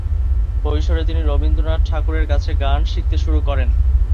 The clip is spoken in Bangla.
কৈশোরে তিনি রবীন্দ্রনাথের ঠাকুরের কাছে গান শিখতে শুরু করেন।